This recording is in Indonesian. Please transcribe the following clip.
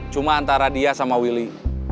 cuma antara dia sama willy